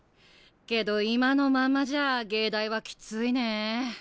けど今のままじゃ藝大はきついね。